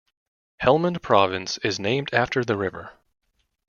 Helmand Province is named after the river.